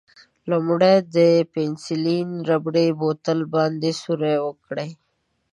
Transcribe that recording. لومړی د پنسیلین ربړي بوتل باندې سوری وکړئ.